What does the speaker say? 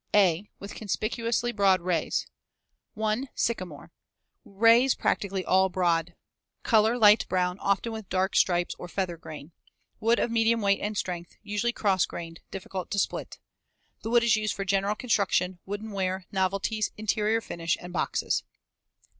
(a) With conspicuously broad rays. 1. Sycamore. Fig. 151. Rays practically all broad. Color light brown, often with dark stripes or "feather grain." Wood of medium weight and strength, usually cross grained, difficult to split. The wood is used for general construction, woodenware, novelties, interior finish, and boxes.